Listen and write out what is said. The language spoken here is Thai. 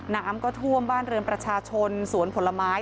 น้ำก็ท่วมบ้านเรือนประชาชนสวนผลไม้